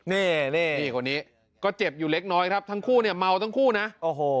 นี่นี่คนนี้ก็เจ็บอยู่เล็กน้อยครับทั้งคู่เนี่ยเมาทั้งคู่นะโอ้โห